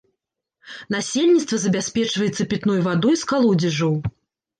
Насельніцтва забяспечваецца пітной вадой з калодзежаў.